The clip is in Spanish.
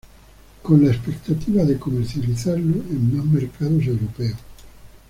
Con la expectativa de comercializarlo en más mercados europeos.